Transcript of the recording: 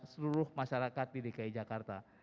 seluruh masyarakat di dki jakarta